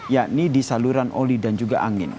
yakni di saluran oli dan juga angin